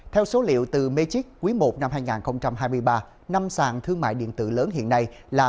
theo số liệu từ machik quý i năm hai nghìn hai mươi ba năm sàn thương mại điện tử lớn hiện nay là